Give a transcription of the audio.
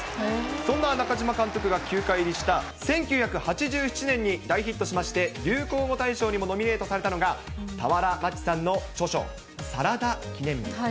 そんな中嶋監督が球界入りした１９８７年に大ヒットしまして、流行語大賞にもノミネートされたのが、俵万智さんの著書、サラダ記念日。